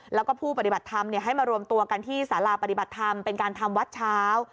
แล้วก็ผู้ปฏิบัติธรรมให้มารวมตัวกันที่สาราปฏิบัติธรรมเป็นการทำวัดเช้า